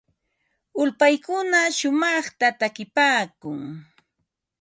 Ulpaykuna shumaqta takipaakun.